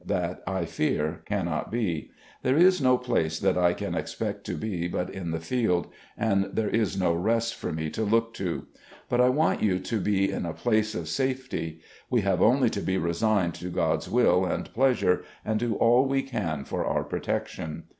That I fear cannot be. There is no place that 30 RECOLLECTIONS OF GENERAL LEE I can expect to be but in the field, and there is no rest for me to look to. But I want you to be in a place of safety. ... We have only to be resigned to God's will and pleasure, and do all we can for our protection.